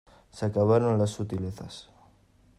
se acabaron las sutilezas.